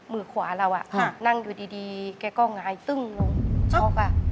มือขวาเรานั่งอยู่ดีแกก็หงายตึ้งลงช็อก